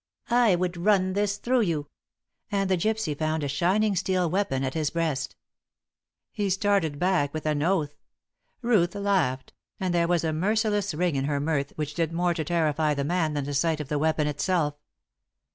"I would run this through you!" And the gypsy found a shining steel weapon at his breast. He started back with an oath. Ruth laughed; and there was a merciless ring in her mirth which did more to terrify the man than the sight of the weapon itself.